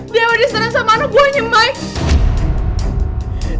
dia udah senang sama anak buahnya mike